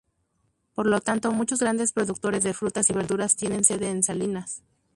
Por lo tanto muchos grandes productores de frutas y verduras tienen sede en Salinas.